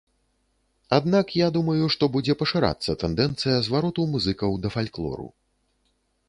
Аднак я думаю, што будзе пашырацца тэндэнцыя звароту музыкаў да фальклору.